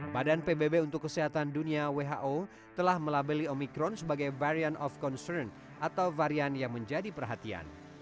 badan pbb untuk kesehatan dunia who telah melabeli omikron sebagai variant of concern atau varian yang menjadi perhatian